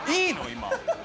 今。